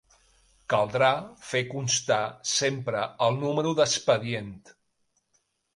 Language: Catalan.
Caldrà fer constar sempre el número d'expedient.